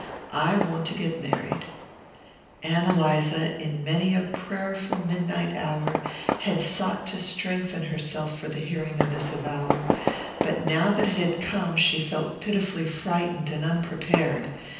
I want to get married." Ann Eliza, in many a prayerful midnight hour, had sought to strengthen herself for the hearing of this avowal, but now that it had come she felt pitifully frightened and unprepared.